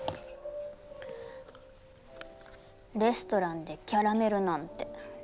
レストランでキャラメルなんて。